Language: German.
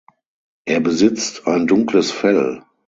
Er besitzt ein dunkles Fell.